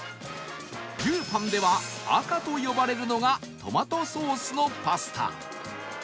るーぱんでは赤と呼ばれるのがトマトソースのパスタ